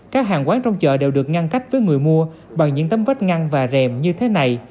các hàng quán trong chợ đều được ngăn cách với người mua bằng những tấm vách ngăn và rèm như thế này